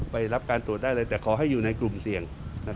ไปรับการตรวจได้เลยแต่ขอให้อยู่ในกลุ่มเสี่ยง